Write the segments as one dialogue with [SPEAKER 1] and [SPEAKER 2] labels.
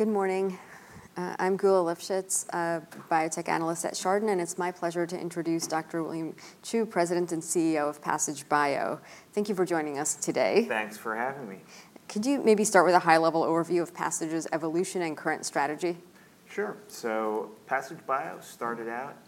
[SPEAKER 1] Good morning. I'm Geulah Livshits, a biotech analyst at Chardan, and it's my pleasure to introduce Dr. William Chou, President and CEO of Passage Bio. Thank you for joining us today.
[SPEAKER 2] Thanks for having me.
[SPEAKER 1] Could you maybe start with a high-level overview of Passage's evolution and current strategy?
[SPEAKER 2] Sure. So Passage Bio started out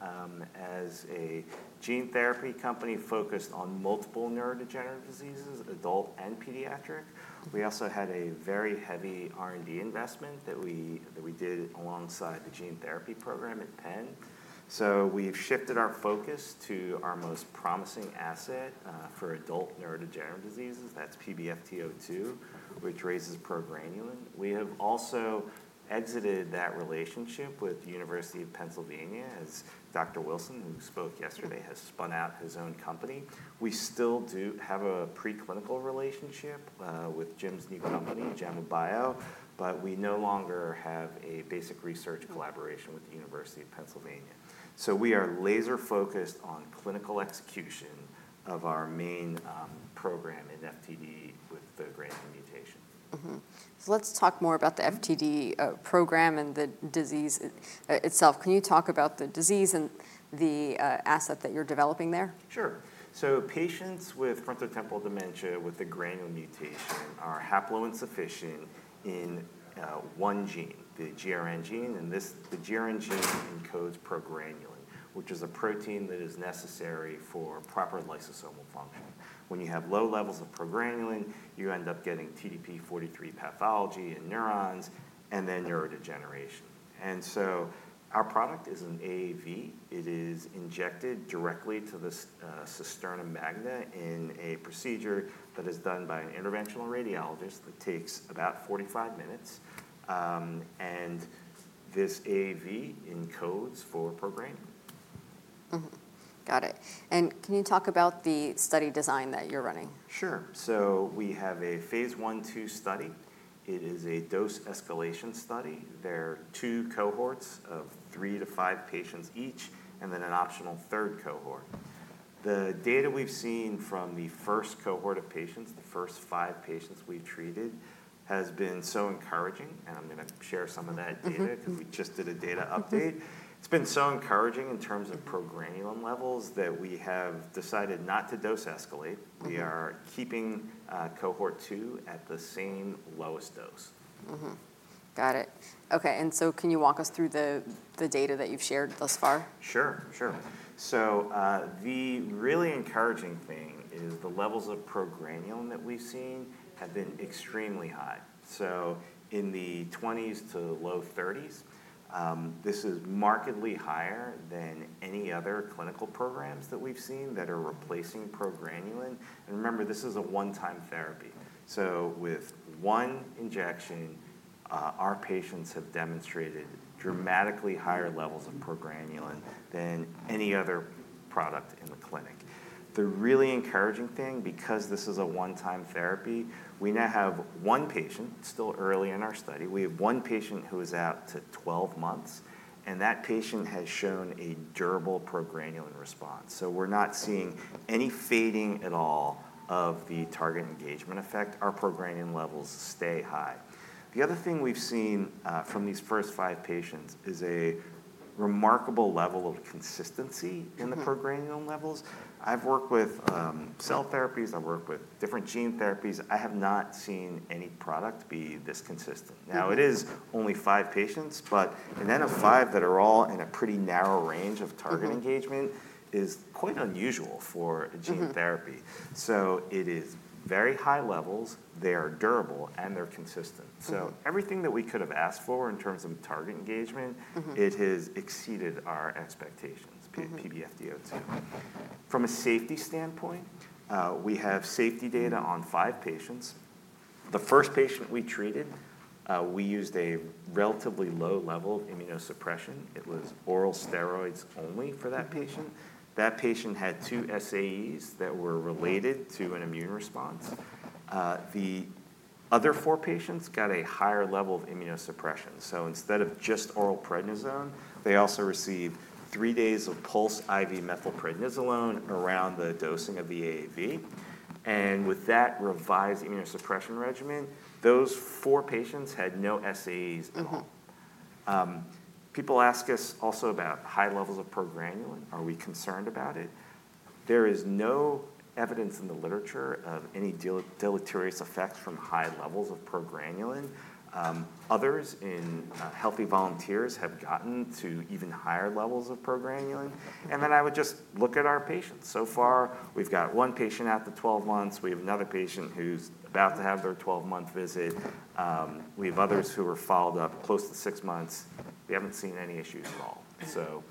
[SPEAKER 2] as a gene therapy company focused on multiple neurodegenerative diseases, adult and pediatric. We also had a very heavy R&D investment that we did alongside the gene therapy program at Penn. So we've shifted our focus to our most promising asset for adult neurodegenerative diseases. That's PBFT02, which raises progranulin. We have also exited that relationship with the University of Pennsylvania, as Dr. Wilson, who spoke yesterday, has spun out his own company. We still do have a preclinical relationship with Jim's new company, Gemma Bio, but we no longer have a basic research collaboration with the University of Pennsylvania. So we are laser focused on clinical execution of our main program in FTD with the GRN mutation.
[SPEAKER 1] Mm-hmm. So let's talk more about the FTD program and the disease itself. Can you talk about the disease and the asset that you're developing there?
[SPEAKER 2] Sure. So patients with frontotemporal dementia with the GRN mutation are haploinsufficient in one gene, the GRN gene, and this, the GRN gene encodes progranulin, which is a protein that is necessary for proper lysosomal function. When you have low levels of progranulin, you end up getting TDP-43 pathology in neurons and then neurodegeneration. And so our product is an AAV. It is injected directly to the cisterna magna in a procedure that is done by an interventional radiologist that takes about 45 minutes. And this AAV encodes for progranulin.
[SPEAKER 1] Mm-hmm. Got it. And can you talk about the study design that you're running?
[SPEAKER 2] Sure. So we have a phase I/II study. It is a dose escalation study. There are two cohorts of three to five patients each, and then an optional third cohort. The data we've seen from the first cohort of patients, the first five patients we've treated, has been so encouraging, and I'm gonna share some of that data, because we just did a data update. It's been so encouraging in terms of progranulin levels, that we have decided not to dose escalate.
[SPEAKER 1] Mm-hmm.
[SPEAKER 2] We are keeping cohort two at the same lowest dose.
[SPEAKER 1] Mm-hmm. Got it. Okay, and so can you walk us through the data that you've shared thus far?
[SPEAKER 2] Sure, sure. So, the really encouraging thing is the levels of progranulin that we've seen have been extremely high, so in the twenties to low thirties. This is markedly higher than any other clinical programs that we've seen that are replacing progranulin. And remember, this is a one-time therapy. So with one injection, our patients have demonstrated dramatically higher levels of progranulin than any other product in the clinic. The really encouraging thing, because this is a one-time therapy, we now have one patient, still early in our study, we have one patient who is out to 12 months, and that patient has shown a durable progranulin response. So we're not seeing any fading at all of the target engagement effect. Our progranulin levels stay high. The other thing we've seen, from these first five patients is a remarkable level of consistency.
[SPEAKER 1] Mm.
[SPEAKER 2] - in the progranulin levels. I've worked with cell therapies. I've worked with different gene therapies. I have not seen any product be this consistent. Now, it is only five patients, but an N of five that are all in a pretty narrow range of target engagement.
[SPEAKER 1] Mm-hmm...
[SPEAKER 2] is quite unusual for a gene therapy.
[SPEAKER 1] Mm-hmm.
[SPEAKER 2] So it is very high levels. They are durable, and they're consistent.
[SPEAKER 1] Mm-hmm.
[SPEAKER 2] So, everything that we could have asked for in terms of target engagement.
[SPEAKER 1] Mm-hmm...
[SPEAKER 2] it has exceeded our expectations-
[SPEAKER 1] Mm-hmm ...
[SPEAKER 2] PBFT02. From a safety standpoint, we have safety data on five patients. The first patient we treated, we used a relatively low level of immunosuppression. It was oral steroids only for that patient. That patient had two SAEs that were related to an immune response. The other four patients got a higher level of immunosuppression, so instead of just oral prednisone, they also received three days of pulse IV methylprednisolone around the dosing of the AAV, and with that revised immunosuppression regimen, those four patients had no SAEs at all.
[SPEAKER 1] Mm-hmm.
[SPEAKER 2] People ask us also about high levels of progranulin. Are we concerned about it? There is no evidence in the literature of any deleterious effects from high levels of progranulin. Others in healthy volunteers have gotten to even higher levels of progranulin. And then I would just look at our patients. So far, we've got one patient out to 12 months. We have another patient who's about to have their 12-month visit. We have others who were followed up close to 6 months. We haven't seen any issues at all. So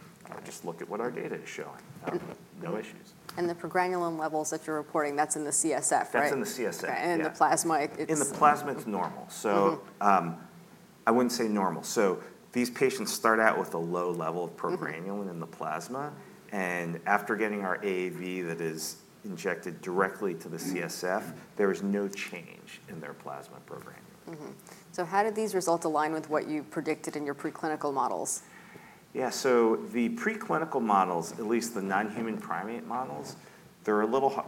[SPEAKER 2] just look at what our data is showing.
[SPEAKER 1] Mm-hmm.
[SPEAKER 2] No issues.
[SPEAKER 1] The progranulin levels that you're reporting, that's in the CSF, right?
[SPEAKER 2] That's in the CSF, yeah.
[SPEAKER 1] The plasma, it's
[SPEAKER 2] In the plasma, it's normal.
[SPEAKER 1] Mm-hmm.
[SPEAKER 2] I wouldn't say normal. These patients start out with a low level of progranulin-
[SPEAKER 1] Mm-hmm...
[SPEAKER 2] in the plasma, and after getting our AAV that is injected directly to the CSF, there is no change in their plasma progranulin.
[SPEAKER 1] Mm-hmm. So how did these results align with what you predicted in your preclinical models? ...
[SPEAKER 2] Yeah, so the preclinical models, at least the non-human primate models,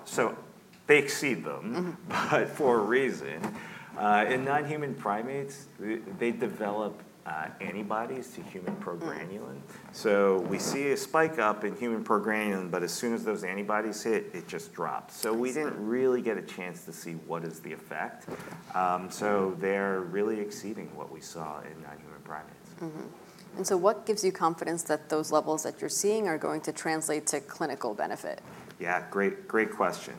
[SPEAKER 2] so they exceed them-
[SPEAKER 1] Mm-hmm.
[SPEAKER 2] -but for a reason. In non-human primates, they develop antibodies to human progranulin.
[SPEAKER 1] Mm.
[SPEAKER 2] So we see a spike up in human Progranulin, but as soon as those antibodies hit, it just drops.
[SPEAKER 1] Yes.
[SPEAKER 2] We didn't really get a chance to see what is the effect, so they're really exceeding what we saw in non-human primates.
[SPEAKER 1] Mm-hmm. And so what gives you confidence that those levels that you're seeing are going to translate to clinical benefit?
[SPEAKER 2] Yeah, great, great question.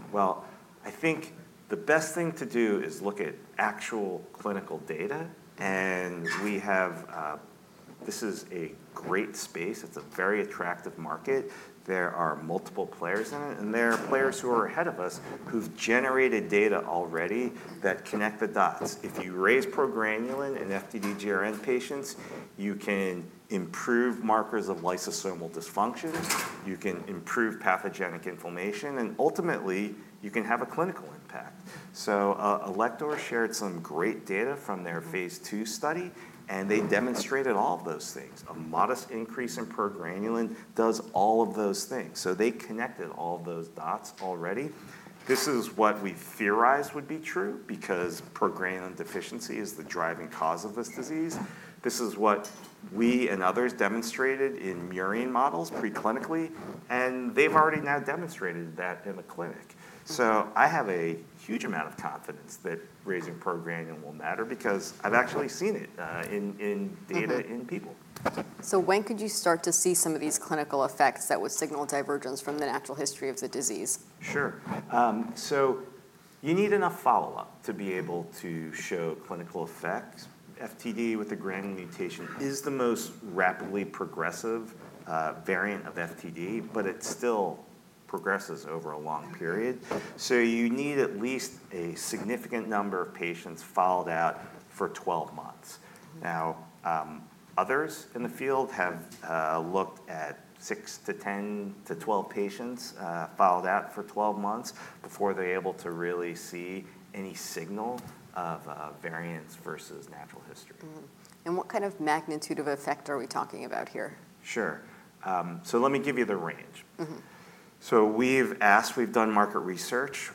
[SPEAKER 2] I think the best thing to do is look at actual clinical data. This is a great space. It's a very attractive market. There are multiple players in it, and there are players who are ahead of us, who've generated data already that connect the dots. If you raise progranulin in FTD-GRN patients, you can improve markers of lysosomal dysfunction, you can improve pathogenic inflammation, and ultimately, you can have a clinical impact. Alector shared some great data from their phase II study, and they demonstrated all of those things. A modest increase in progranulin does all of those things. They connected all of those dots already. This is what we theorized would be true, because progranulin deficiency is the driving cause of this disease. This is what we and others demonstrated in murine models preclinically, and they've already now demonstrated that in the clinic.
[SPEAKER 1] Mm-hmm.
[SPEAKER 2] So I have a huge amount of confidence that raising progranulin will matter, because I've actually seen it in.
[SPEAKER 1] Mm-hmm...
[SPEAKER 2] the data in people.
[SPEAKER 1] When could you start to see some of these clinical effects that would signal divergence from the natural history of the disease?
[SPEAKER 2] Sure. So you need enough follow-up to be able to show clinical effects. FTD with a progranulin mutation is the most rapidly progressive variant of FTD, but it still progresses over a long period. So you need at least a significant number of patients followed out for 12 months. Now, others in the field have looked at six to 10 to 12 patients followed out for 12 months before they're able to really see any signal of variants versus natural history.
[SPEAKER 1] Mm-hmm. And what kind of magnitude of effect are we talking about here?
[SPEAKER 2] Sure. So let me give you the range.
[SPEAKER 1] Mm-hmm.
[SPEAKER 2] So we've asked, we've done market research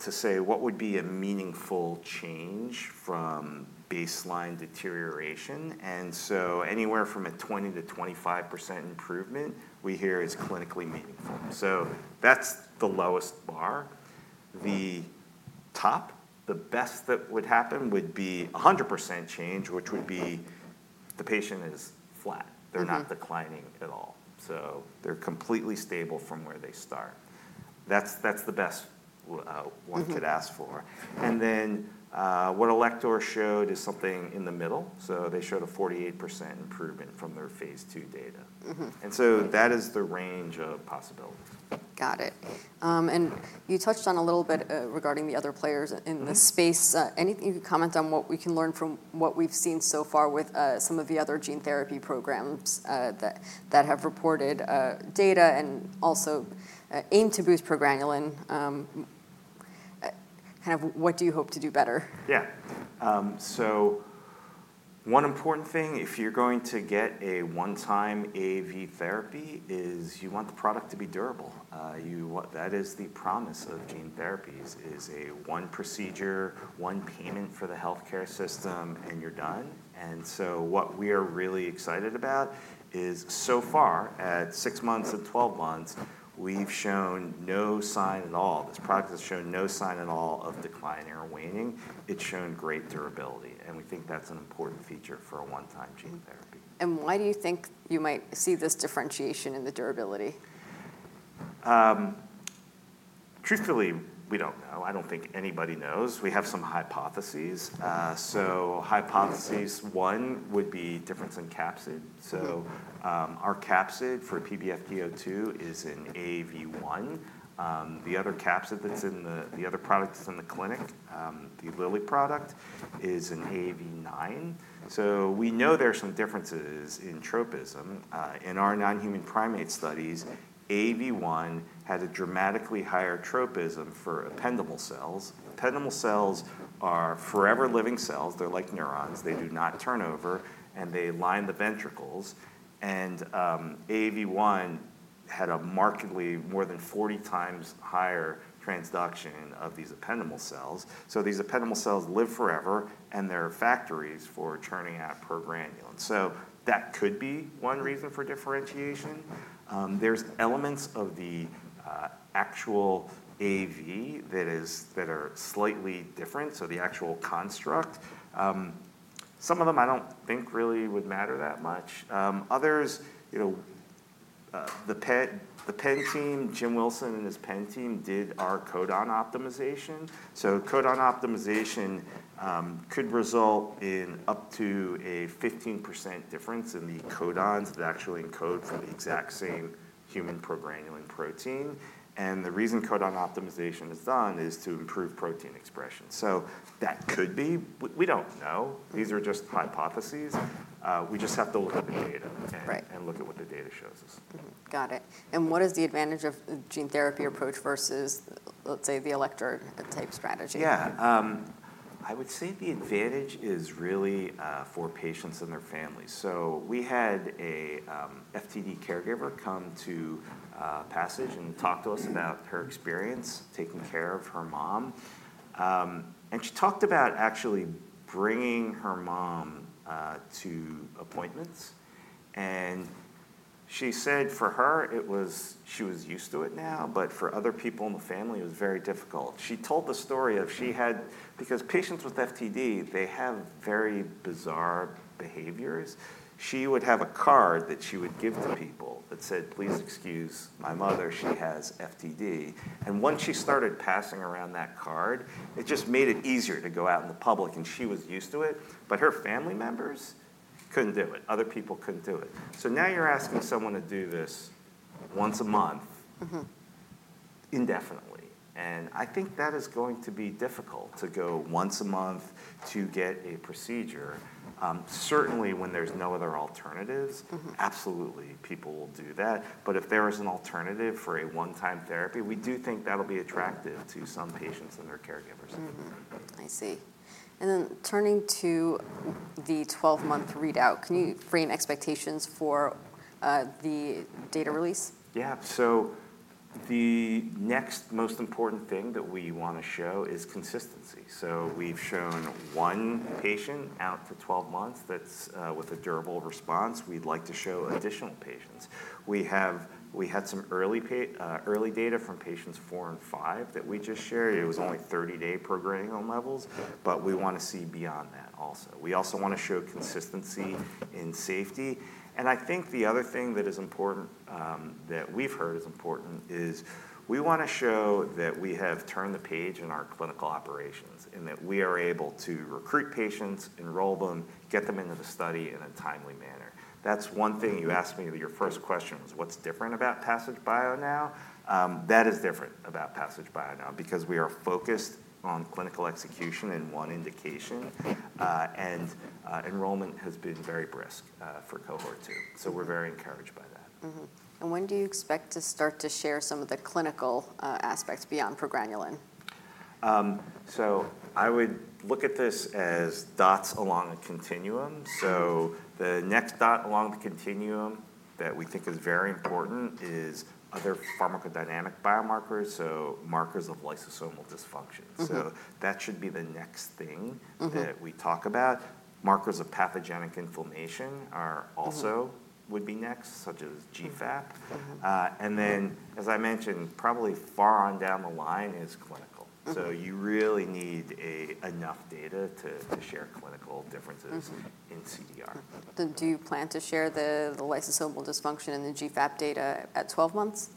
[SPEAKER 2] to say: What would be a meaningful change from baseline deterioration? And so anywhere from a 20-25% improvement, we hear is clinically meaningful. So that's the lowest bar. The top, the best that would happen would be a 100% change, which would be the patient is flat.
[SPEAKER 1] Mm-hmm.
[SPEAKER 2] They're not declining at all. So they're completely stable from where they start. That's the best.
[SPEAKER 1] Mm-hmm...
[SPEAKER 2] one could ask for. And then, what Alector showed is something in the middle. So they showed a 48% improvement from their phase II data.
[SPEAKER 1] Mm-hmm.
[SPEAKER 2] That is the range of possibilities.
[SPEAKER 1] Got it. And you touched on a little bit, regarding the other players in the space.
[SPEAKER 2] Mm-hmm.
[SPEAKER 1] Anything you could comment on what we can learn from what we've seen so far with some of the other gene therapy programs that have reported data and also aim to boost progranulin? Kind of what do you hope to do better?
[SPEAKER 2] Yeah. So one important thing, if you're going to get a one-time AAV therapy, is you want the product to be durable. You want. That is the promise of gene therapies, is a one procedure, one payment for the healthcare system, and you're done. And so what we are really excited about is, so far, at six months and 12 months, we've shown no sign at all. This product has shown no sign at all of decline or waning. It's shown great durability, and we think that's an important feature for a one-time gene therapy.
[SPEAKER 1] Why do you think you might see this differentiation in the durability?
[SPEAKER 2] Truthfully, we don't know. I don't think anybody knows. We have some hypotheses. So, hypotheses one would be difference in capsid.
[SPEAKER 1] Mm-hmm.
[SPEAKER 2] Our capsid for PBFT02 is an AAV1. The other capsid that's in the clinic, the Lilly product, is an AAV9. We know there are some differences in tropism. In our non-human primate studies, AAV1 had a dramatically higher tropism for ependymal cells. Ependymal cells are forever living cells. They're like neurons. They do not turn over, and they line the ventricles. AAV1 had a markedly more than forty times higher transduction of these ependymal cells. These ependymal cells live forever, and they're factories for churning out progranulin. That could be one reason for differentiation. There's elements of the actual AAV that are slightly different, so the actual construct. Some of them I don't think really would matter that much. Others, you know, the Penn team, Jim Wilson and his Penn team, did our codon optimization. So codon optimization could result in up to a 15% difference in the codons that actually encode for the exact same human progranulin protein. And the reason codon optimization is done is to improve protein expression. So that could be... We don't know. These are just hypotheses. We just have to look at the data-
[SPEAKER 1] Right...
[SPEAKER 2] and look at what the data shows us.
[SPEAKER 1] Mm-hmm. Got it. And what is the advantage of the gene therapy approach versus, let's say, the Alector-type strategy?
[SPEAKER 2] Yeah. I would say the advantage is really for patients and their families. So we had a FTD caregiver come to Passage and talk to us about her experience taking care of her mom. And she talked about actually bringing her mom to appointments, and she said for her, it was she was used to it now, but for other people in the family, it was very difficult. She told the story of she had because patients with FTD, they have very bizarre behaviors. She would have a card that she would give to people that said, "Please excuse my mother, she has FTD." And once she started passing around that card, it just made it easier to go out in the public, and she was used to it, but her family members couldn't do it. Other people couldn't do it. So now you're asking someone to do this once a month-
[SPEAKER 1] Mm-hmm.
[SPEAKER 2] indefinitely, and I think that is going to be difficult to go once a month to get a procedure. Certainly, when there's no other alternatives-
[SPEAKER 1] Mm-hmm.
[SPEAKER 2] Absolutely, people will do that. But if there is an alternative for a one-time therapy, we do think that'll be attractive to some patients and their caregivers.
[SPEAKER 1] Mm-hmm. I see. And then turning to the twelve-month readout, can you frame expectations for the data release?
[SPEAKER 2] Yeah. So the next most important thing that we wanna show is consistency. So we've shown one patient out to 12 months, that's with a durable response. We'd like to show additional patients. We have some early data from patients four and five that we just shared. It was only 30-day progranulin levels, but we wanna see beyond that also. We also wanna show consistency in safety. And I think the other thing that is important, that we've heard is important, is we wanna show that we have turned the page in our clinical operations, and that we are able to recruit patients, enroll them, get them into the study in a timely manner. That's one thing you asked me, your first question was, what's different about Passage Bio now? That is different about Passage Bio now, because we are focused on clinical execution in one indication, and enrollment has been very brisk for Cohort Two, so we're very encouraged by that.
[SPEAKER 1] Mm-hmm. And when do you expect to start to share some of the clinical aspects beyond progranulin?
[SPEAKER 2] So I would look at this as dots along a continuum. So the next dot along the continuum that we think is very important is other pharmacodynamic biomarkers, so markers of lysosomal dysfunction.
[SPEAKER 1] Mm-hmm.
[SPEAKER 2] So that should be the next thing-
[SPEAKER 1] Mm-hmm...
[SPEAKER 2] that we talk about. Markers of pathogenic inflammation are also-
[SPEAKER 1] Mm-hmm...
[SPEAKER 2] would be next, such as GFAP.
[SPEAKER 1] Mm-hmm.
[SPEAKER 2] And then, as I mentioned, probably far on down the line is clinical.
[SPEAKER 1] Mm-hmm.
[SPEAKER 2] So you really need enough data to share clinical differences-
[SPEAKER 1] Mm-hmm...
[SPEAKER 2] in CDR.
[SPEAKER 1] Then do you plan to share the lysosomal dysfunction and the GFAP data at twelve months?
[SPEAKER 2] We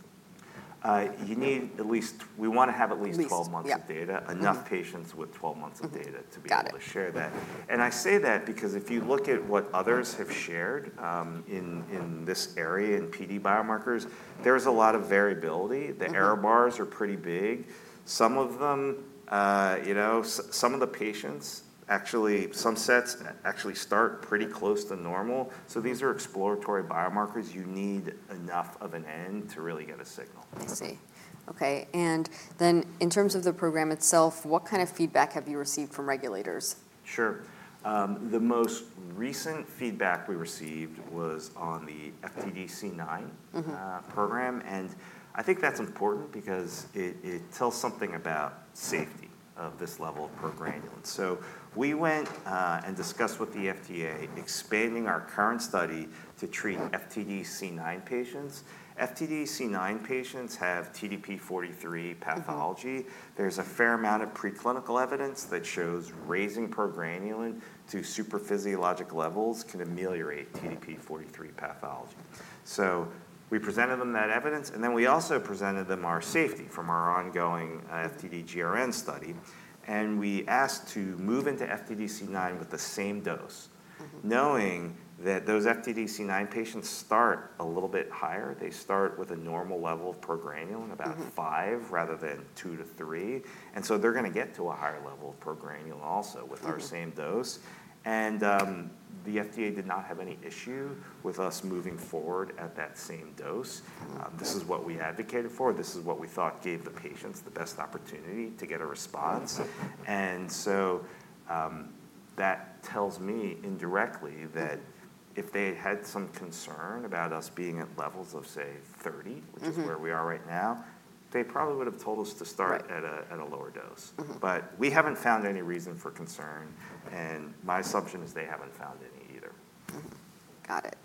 [SPEAKER 2] wanna have at least-
[SPEAKER 1] At least, yeah....
[SPEAKER 2] twelve months of data.
[SPEAKER 1] Mm-hmm.
[SPEAKER 2] Enough patients with 12 months of data-
[SPEAKER 1] Got it...
[SPEAKER 2] to be able to share that. And I say that because if you look at what others have shared, in this area, in PD biomarkers, there's a lot of variability.
[SPEAKER 1] Mm-hmm.
[SPEAKER 2] The error bars are pretty big. Some of them, you know, some of the patients, actually, some sets actually start pretty close to normal. So these are exploratory biomarkers. You need enough of an N to really get a signal.
[SPEAKER 1] I see. Okay, and then in terms of the program itself, what kind of feedback have you received from regulators?
[SPEAKER 2] Sure. The most recent feedback we received was on the FTD-C9-
[SPEAKER 1] Mm-hmm...
[SPEAKER 2] program, and I think that's important because it, it tells something about safety of this level of progranulin. So we went, and discussed with the FDA, expanding our current study to treat FTD-C9 patients. FTD-C9 patients have TDP-43 pathology.
[SPEAKER 1] Mm-hmm.
[SPEAKER 2] There's a fair amount of preclinical evidence that shows raising progranulin to super physiologic levels can ameliorate TDP-43 pathology. So we presented them that evidence, and then we also presented them our safety from our ongoing, FTD-GRN study, and we asked to move into FTD-C9 with the same dose-
[SPEAKER 1] Mm-hmm...
[SPEAKER 2] knowing that those FTD-C9 patients start a little bit higher. They start with a normal level of progranulin-
[SPEAKER 1] Mm-hmm...
[SPEAKER 2] about five rather than two to three, and so they're gonna get to a higher level of Progranulin also-
[SPEAKER 1] Mm-hmm...
[SPEAKER 2] with our same dose, and the FDA did not have any issue with us moving forward at that same dose. This is what we advocated for, this is what we thought gave the patients the best opportunity to get a response, and so that tells me indirectly, that if they had some concern about us being at levels of, say, thirty-
[SPEAKER 1] Mm-hmm...
[SPEAKER 2] which is where we are right now, they probably would have told us to start-
[SPEAKER 1] Right...
[SPEAKER 2] at a lower dose.
[SPEAKER 1] Mm-hmm.
[SPEAKER 2] But we haven't found any reason for concern, and my assumption is they haven't found any either.
[SPEAKER 1] Mm-hmm. Got it.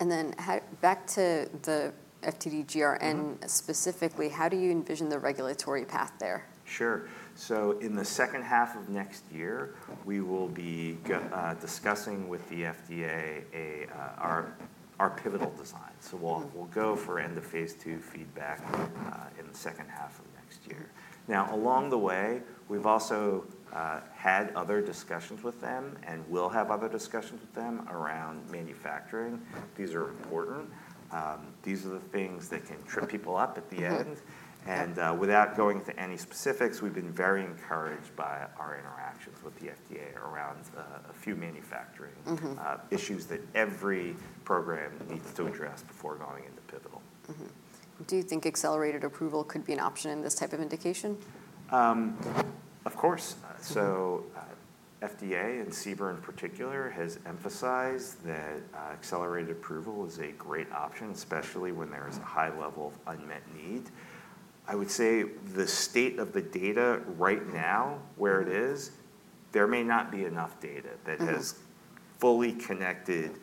[SPEAKER 1] And then how-- back to the FTD-GRN-
[SPEAKER 2] Mm-hmm...
[SPEAKER 1] specifically, how do you envision the regulatory path there?
[SPEAKER 2] Sure. So in the second half of next year, we will be discussing with the FDA our pivotal design.
[SPEAKER 1] Mm-hmm.
[SPEAKER 2] So we'll go for end-of-phase-two feedback in the second half of next year. Now, along the way, we've also had other discussions with them and will have other discussions with them around manufacturing. These are important. These are the things that can trip people up at the end.
[SPEAKER 1] Mm-hmm.
[SPEAKER 2] Without going into any specifics, we've been very encouraged by our interactions with the FDA around a few manufacturing-
[SPEAKER 1] Mm-hmm...
[SPEAKER 2] issues that every program needs to address before going into pivotal.
[SPEAKER 1] Mm-hmm. Do you think accelerated approval could be an option in this type of indication?
[SPEAKER 2] Of course. So, FDA, and CBER in particular, has emphasized that, accelerated approval is a great option, especially when there is a high level of unmet need. I would say the state of the data right now, where it is, there may not be enough data-
[SPEAKER 1] Mm-hmm.
[SPEAKER 2] -that has fully connected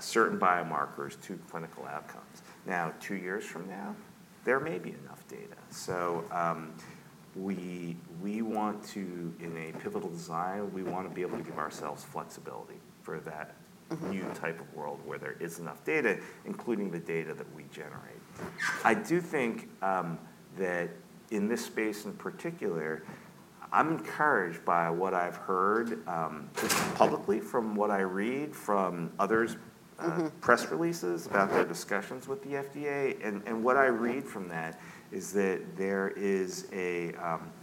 [SPEAKER 2] certain biomarkers to clinical outcomes. Now, two years from now, there may be enough data. So, we want to, in a pivotal design, we want to be able to give ourselves flexibility for that-
[SPEAKER 1] Mm-hmm...
[SPEAKER 2] new type of world where there is enough data, including the data that we generate. I do think, that in this space in particular, I'm encouraged by what I've heard, publicly, from what I read from others'-
[SPEAKER 1] Mm-hmm...
[SPEAKER 2] press releases about their discussions with the FDA, and what I read from that is that there is an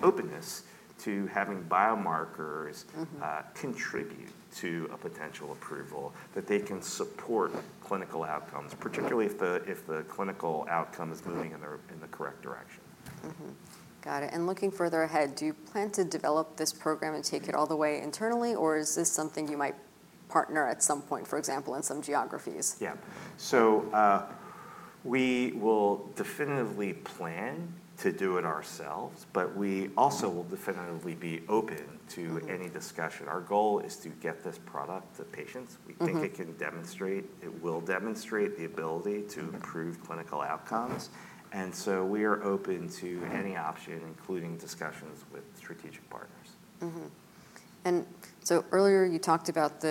[SPEAKER 2] openness to having biomarkers.
[SPEAKER 1] Mm-hmm...
[SPEAKER 2] contribute to a potential approval, that they can support clinical outcomes, particularly if the clinical outcome is moving in the correct direction.
[SPEAKER 1] Mm-hmm. Got it. And looking further ahead, do you plan to develop this program and take it all the way internally, or is this something you might partner at some point, for example, in some geographies?
[SPEAKER 2] Yeah. So, we will definitively plan to do it ourselves, but we also will definitively be open to any discussion. Our goal is to get this product to patients.
[SPEAKER 1] Mm-hmm.
[SPEAKER 2] We think it can demonstrate, it will demonstrate the ability to improve clinical outcomes, and so we are open to any option, including discussions with strategic partners.
[SPEAKER 1] Mm-hmm. And so earlier, you talked about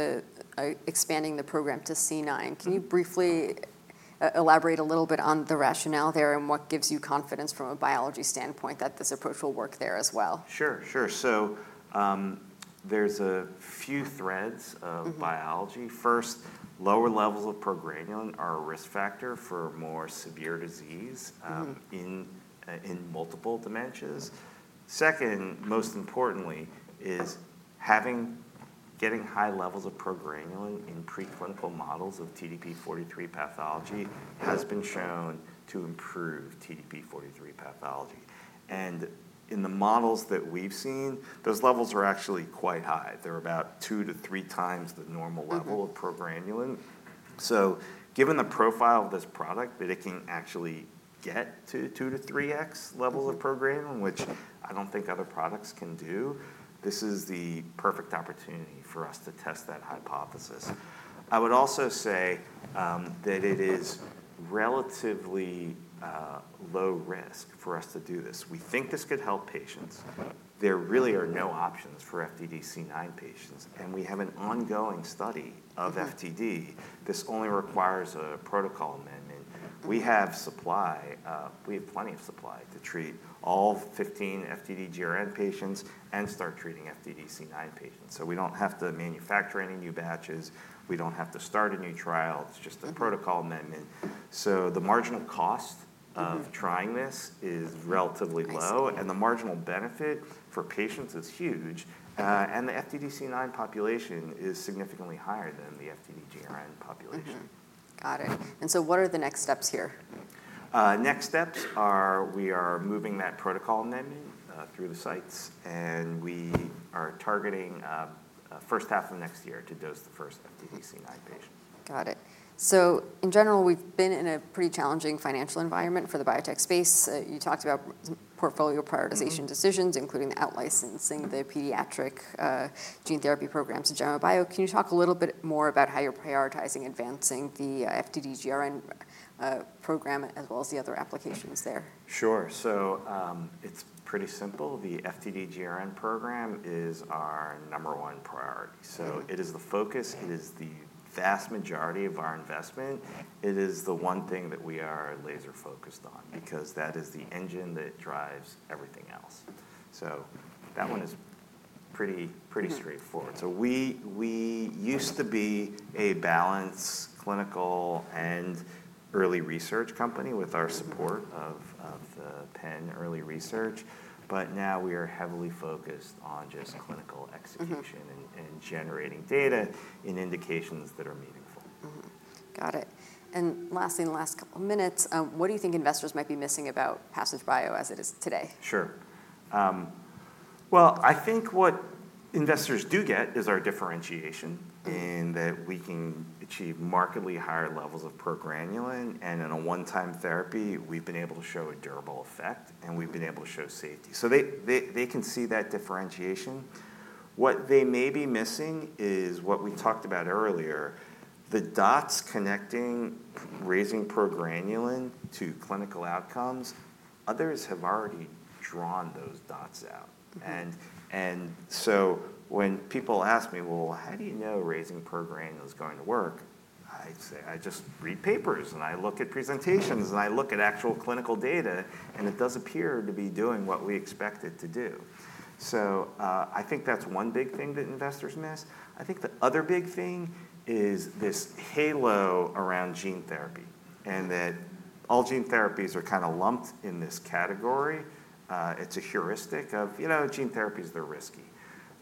[SPEAKER 1] expanding the program to C9.
[SPEAKER 2] Mm-hmm.
[SPEAKER 1] Can you briefly elaborate a little bit on the rationale there, and what gives you confidence from a biology standpoint that this approach will work there as well?
[SPEAKER 2] Sure, sure. So, there's a few threads of biology.
[SPEAKER 1] Mm-hmm.
[SPEAKER 2] First, lower levels of progranulin are a risk factor for more severe disease.
[SPEAKER 1] Mm-hmm...
[SPEAKER 2] in multiple dementias. Second, most importantly, is getting high levels of progranulin in preclinical models of TDP-43 pathology has been shown to improve TDP-43 pathology, and in the models that we've seen, those levels are actually quite high. They're about two to three times the normal level-
[SPEAKER 1] Mm-hmm...
[SPEAKER 2] of progranulin. So given the profile of this product, that it can actually get to two to three X levels of progranulin, which I don't think other products can do, this is the perfect opportunity for us to test that hypothesis. I would also say that it is relatively low risk for us to do this. We think this could help patients. There really are no options for FTD-C9 patients, and we have an ongoing study of FTD.
[SPEAKER 1] Mm-hmm.
[SPEAKER 2] This only requires a protocol amendment. We have supply, we have plenty of supply to treat all 15 FTD-GRN patients and start treating FTD-C9 patients. So we don't have to manufacture any new batches. We don't have to start a new trial.
[SPEAKER 1] Mm-hmm.
[SPEAKER 2] It's just a protocol amendment. So the marginal cost of trying this is relatively low-
[SPEAKER 1] I see...
[SPEAKER 2] and the marginal benefit for patients is huge.
[SPEAKER 1] Mm-hmm.
[SPEAKER 2] And the FTD-C9 population is significantly higher than the FTD-GRN population.
[SPEAKER 1] Mm-hmm. Got it. And so what are the next steps here?
[SPEAKER 2] Next steps are, we are moving that protocol amendment through the sites, and we are targeting first half of next year to dose the first FTD C9 patient.
[SPEAKER 1] Got it. So in general, we've been in a pretty challenging financial environment for the biotech space. You talked about portfolio prioritization decisions.
[SPEAKER 2] Mm-hmm...
[SPEAKER 1] including the out-licensing the pediatric gene therapy programs to Gemma Bio. Can you talk a little bit more about how you're prioritizing advancing the FTD-GRN program, as well as the other applications there?
[SPEAKER 2] Sure. So, it's pretty simple. The FTD-GRN program is our number one priority.
[SPEAKER 1] Mm-hmm.
[SPEAKER 2] It is the focus.
[SPEAKER 1] Mm-hmm.
[SPEAKER 2] It is the vast majority of our investment. It is the one thing that we are laser focused on-
[SPEAKER 1] Mm-hmm...
[SPEAKER 2] because that is the engine that drives everything else. So that one is pretty-
[SPEAKER 1] Mm-hmm...
[SPEAKER 2] pretty straightforward. So we used to be a balanced clinical and early research company with our support of the Penn early research, but now we are heavily focused on just clinical execution-
[SPEAKER 1] Mm-hmm...
[SPEAKER 2] and generating data in indications that are meaningful.
[SPEAKER 1] Mm-hmm. Got it. And lastly, in the last couple minutes, what do you think investors might be missing about Passage Bio as it is today?
[SPEAKER 2] Sure. Well, I think what investors do get is our differentiation-
[SPEAKER 1] Mm-hmm...
[SPEAKER 2] in that we can achieve markedly higher levels of progranulin, and in a one-time therapy, we've been able to show a durable effect, and we've been able to show safety. So they can see that differentiation. What they may be missing is what we talked about earlier, the dots connecting raising progranulin to clinical outcomes. Others have already drawn those dots out.
[SPEAKER 1] Mm-hmm.
[SPEAKER 2] When people ask me: Well, how do you know raising progranulin is going to work? I say, "I just read papers, and I look at presentations, and I look at actual clinical data, and it does appear to be doing what we expect it to do." I think that's one big thing that investors miss. I think the other big thing is this halo around gene therapy, and that all gene therapies are kind of lumped in this category. It's a heuristic of, you know, gene therapies, they're risky.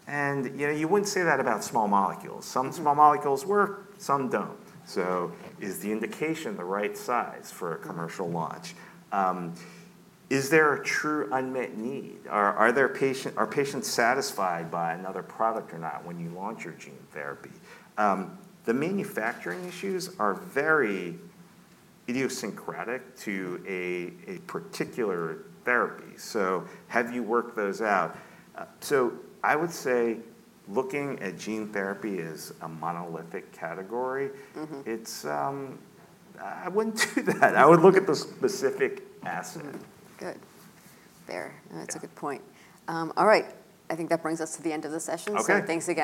[SPEAKER 2] You know, you wouldn't say that about small molecules.
[SPEAKER 1] Mm-hmm.
[SPEAKER 2] Some small molecules work, some don't. So is the indication the right size for a commercial launch? Is there a true unmet need? Are patients satisfied by another product or not when you launch your gene therapy? The manufacturing issues are very idiosyncratic to a particular therapy. So have you worked those out? So I would say looking at gene therapy as a monolithic category-
[SPEAKER 1] Mm-hmm...
[SPEAKER 2] it's, I wouldn't do that. I would look at the specific asset.
[SPEAKER 1] Good. There-
[SPEAKER 2] Yeah...
[SPEAKER 1] that's a good point. All right, I think that brings us to the end of the session.
[SPEAKER 2] Okay.
[SPEAKER 1] So thanks again-